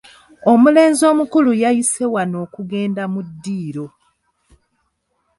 Omulenzi omukulu yayise wano okugenda mu ddiiro.